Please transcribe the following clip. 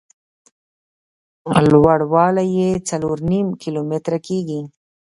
لوړ والی یې څلور نیم کیلومتره کېږي.